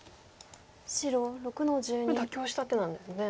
これ妥協した手なんですね。